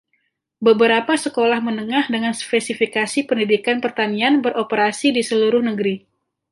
Beberapa sekolah menengah dengan spesifikasi pendidikan pertanian beroperasi di seluruh negeri.